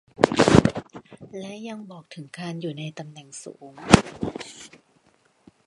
และยังบอกถึงการอยู่ในตำแหน่งสูง